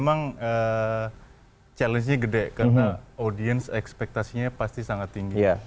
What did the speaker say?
memang challenge nya gede karena audiens ekspektasinya pasti sangat tinggi